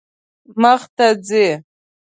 مخ ته ځئ